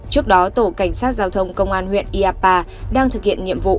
trước đó tổ cảnh sát giao thông công an huyện iapa đang thực hiện nhiệm vụ